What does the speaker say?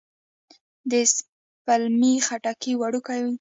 د سپلمۍ خټکی وړوکی وي